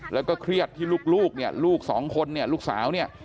แล้วก็เครียดที่ลูกเนี่ยลูกสองคนเนี่ยลูกสาวเนี่ย